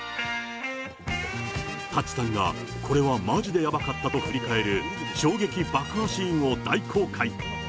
舘さんが、これはまじでやばかったと振り返る、衝撃爆破シーンを大公開。